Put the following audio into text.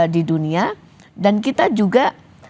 di dunia dan kita juga